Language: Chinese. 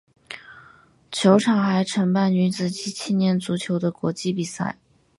球场还承办女子及青年足球的国际比赛。